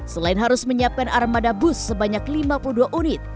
selain harus menyiapkan armada bus sebanyak lima puluh dua unit